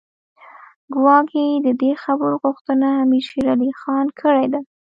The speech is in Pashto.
ګواکې د دې خبرو غوښتنه امیر شېر علي خان کړې ده.